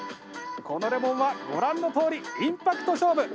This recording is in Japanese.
このレモンはご覧のとおりインパクト勝負。